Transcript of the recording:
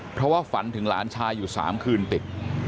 เพราะว่าฝันถึงหลานชายอยู่๓คืนติด